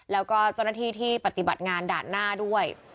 แล้วก็เจ้าหน้าที่ที่ปฏิบัติงานด่านหน้าด้วย